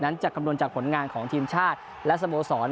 นั้นจะคำนวณจากผลงานทีมชาติและสมสร